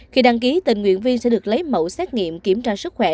khi đăng ký tình nguyện viên sẽ được lấy mẫu xét nghiệm kiểm tra sức khỏe